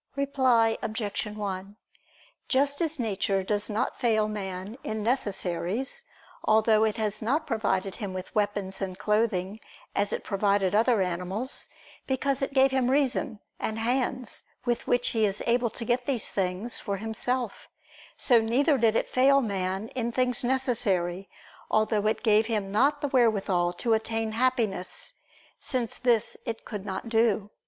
Reply Obj. 1: Just as nature does not fail man in necessaries, although it has not provided him with weapons and clothing, as it provided other animals, because it gave him reason and hands, with which he is able to get these things for himself; so neither did it fail man in things necessary, although it gave him not the wherewithal to attain Happiness: since this it could not do.